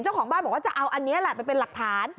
เจ้าของบ้านบอกว่าจะเอาอันนี้แหละไปเป็นหลักฐาน